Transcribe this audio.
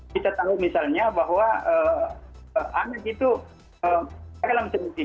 kita tahu misalnya bahwa anak itu